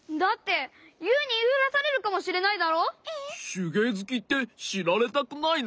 しゅげいずきってしられたくないの？